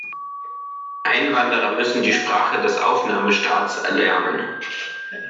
Einwanderer müssen die Sprache des Aufnahmestaats erlernen.